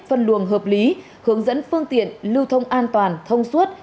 phân luồng hợp lý hướng dẫn phương tiện lưu thông an toàn thông suốt